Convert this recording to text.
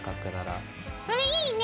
それいいね！